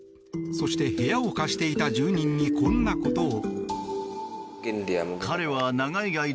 そして部屋を貸していた住人にこんなことを。